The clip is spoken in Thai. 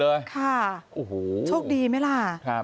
โอ้โห้โชคดีมั้ยล่ะ